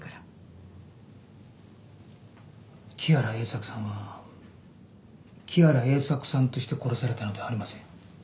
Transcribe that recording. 木原栄作さんは木原栄作さんとして殺されたのではありません。